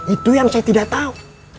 itu yang saya tidak tahu